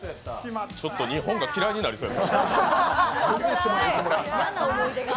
ちょっと日本が嫌いになりそうや。